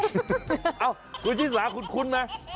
อ้าวคุณชื่นภาษาคุ้นไหม